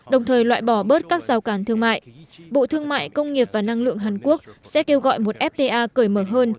đồng thời bộ thương mại công nghiệp và năng lượng hàn quốc sẽ kêu gọi một fta cởi mở hơn